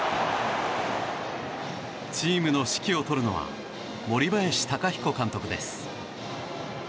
チームの指揮を執るのは森林貴彦監督です。